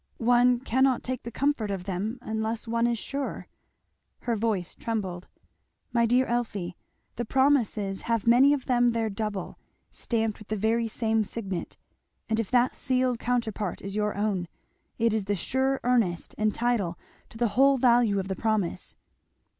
One cannot take the comfort of them unless one is sure." Her voice trembled. "My dear Elfie, the promises have many of them their double stamped with the very same signet and if that sealed counterpart is your own, it is the sure earnest and title to the whole value of the promise."